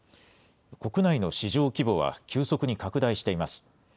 国内の市場規模は急速に拡大しています。